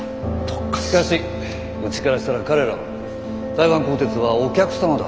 しかしうちからしたら彼らは台湾高鐵はお客様だ。